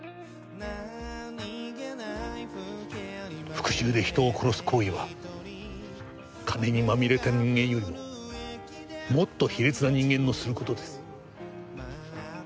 復讐で人を殺す行為は金にまみれた人間よりももっと卑劣な人間のする事です。